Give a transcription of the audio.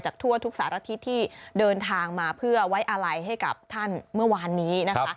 ทั่วทุกสารทิศที่เดินทางมาเพื่อไว้อาลัยให้กับท่านเมื่อวานนี้นะคะ